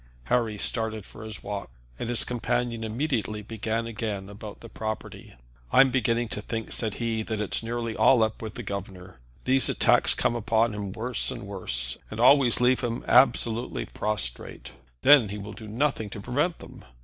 Harry started for his walk, and his companion immediately began again about the property. "I'm beginning to think," said he, "that it's nearly all up with the governor. These attacks come upon him worse and worse, and always leave him absolutely prostrate. Then he will do nothing to prevent them.